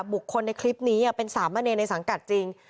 บุคคลในคลิปนี้เป็นสามเณรในสังกัดจริง